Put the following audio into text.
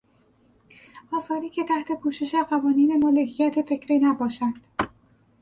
آثاری که تحت پوشش قوانین مالکیت فکری نباشند.